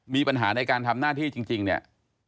มีปัญหาในการทำหน้าที่จริงเนี่ย